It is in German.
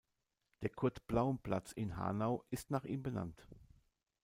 Der Kurt-Blaum-Platz in Hanau ist nach ihm benannt.